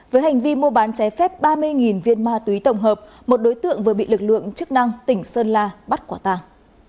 với hành vi mua bán trái phép ba mươi viên ma túy tổng hợp một đối tượng vừa bị lực lượng chức năng tỉnh sơn la bắt quả tàng